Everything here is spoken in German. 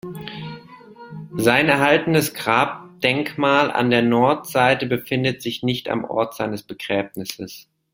Sein erhaltenes Grabdenkmal an der Nordseite befindet sich nicht am Ort seines Begräbnisses.